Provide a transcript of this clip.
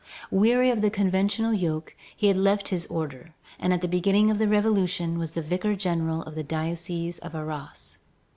Weary of the conventual yoke, he had left his order, and at the beginning of the Revolution was the vicar general of the diocese of Arras.